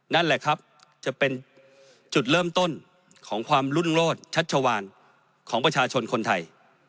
นั่นแหละครับจะเป็นจุดเริ่มต้นของความรุ่นโลศชัชวานของประชาชนคนไทย